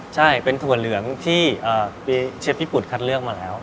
ใช่เป็นถั่วเหลืองที่เชฟญี่ปุ่นคัดเลือกมาแล้ว